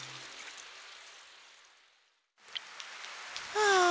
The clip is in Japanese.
ああ